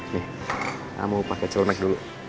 kamu pakai celunek dulu